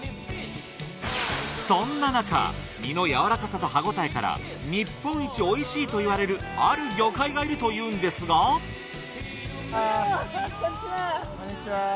そんな中身の柔らかさと歯ごたえから日本一美味しいといわれるある魚介がいるというんですがこんにちは！